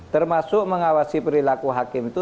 termasuk mengawasi perilaku hakim itu